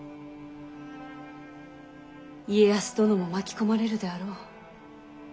家康殿も巻き込まれるであろう。